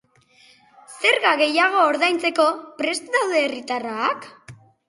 Zerga gehiago ordaintzeko prest daude herritarrak?